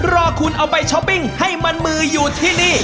รอคุณเอาไปช้อปปิ้งให้มันมืออยู่ที่นี่